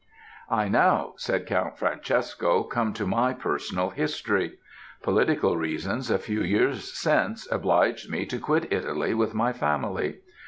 "'I now,' said Count Francesco, 'come to my personal history. Political reasons a few years since obliged me to quit Italy with my family.